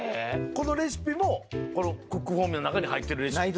このレシピもクックフォーミーの中に入ってるレシピ？